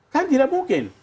kan tidak mungkin